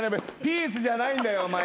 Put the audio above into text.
ピースじゃないんだよお前。